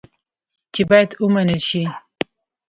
چې باید ومنل شي.